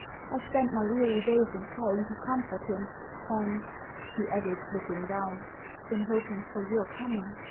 I spent my weary days in trying to comfort him, and," she added, looking down, " in hoping for your coming.